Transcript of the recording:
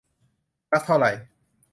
สักเท่าไร